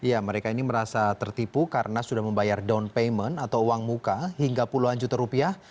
ya mereka ini merasa tertipu karena sudah membayar down payment atau uang muka hingga puluhan juta rupiah